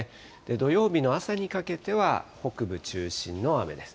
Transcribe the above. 土曜日の朝にかけては北部中心の雨です。